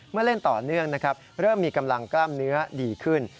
เมื่อเล่นต่อเนื่องเริ่มมีกำลังกล้ามเนื้อดีขึ้น